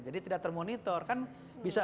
jadi tidak termonitor kan bisa